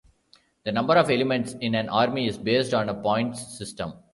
The number of elements in an army is based on a points system.